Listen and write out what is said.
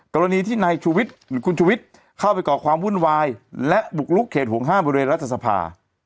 กรณีที่นายชูวิทย์หรือคุณชุวิตเข้าไปก่อความวุ่นวายและบุกลุกเขตห่วงห้ามบริเวณรัฐสภา